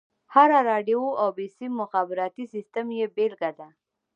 هره راډيو او بيسيم مخابراتي سيسټم يې بېلګه ده.